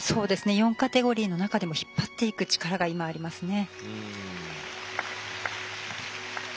４カテゴリの中でも引っ張っていく力がありますね。